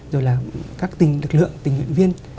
rồi là các tình lực lượng tình nguyện viên